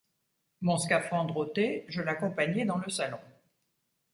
Mon scaphandre ôté, je l’accompagnai dans le salon.